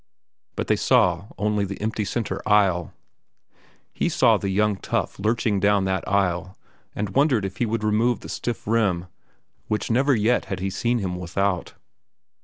But they saw only the empty centre aisle. He saw the young tough lurching down that aisle and wondered if he would remove the stiff rim which never yet had he seen him without.